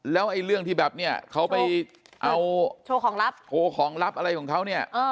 แล้วไอ้เรื่องที่แบบเนี่ยเขาไปเอาโชว์ของลับโชว์ของลับอะไรของเขาเนี่ย